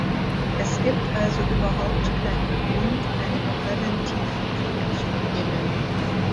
Es gibt also überhaupt keinen Grund, einen Präventivkrieg zu beginnen.